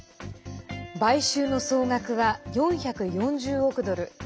買収の総額は４４０億ドル。